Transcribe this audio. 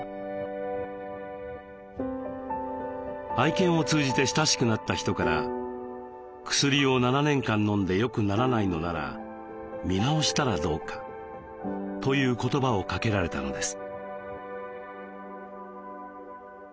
愛犬を通じて親しくなった人から「薬を７年間飲んでよくならないのなら見直したらどうか」という言葉をかけられたのです。